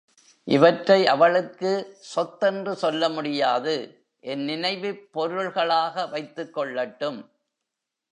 இவற்றை அவளுக்கு சொத்தென்று சொல்லமுடியாது, என் நினைவுப் பொருள்களாக வைத்துக்கொள்ளட்டும்.